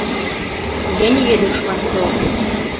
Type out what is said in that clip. Я не ведаю шмат слоў.